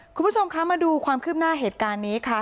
คุณผู้ชมคะมาดูความคืบหน้าเหตุการณ์นี้ค่ะ